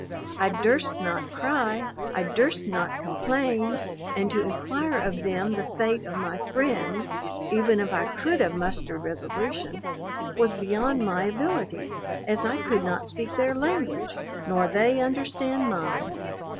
I durst not cry I durst not complain; and to inquire of them the fate of my friends (even if I could have mustered resolution) was beyond my ability, as I could not speak their language, nor they understand mine.